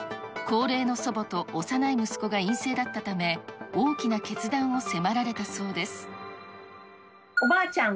高齢の祖母と幼い息子が陰性だったため、大きな決断を迫られたそうです。